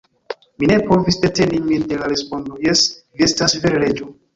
Mi ne povis deteni min de la respondo: "Jes, vi estas vere Reĝo."